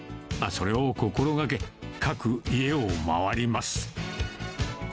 それを心がけ、各家を回ります。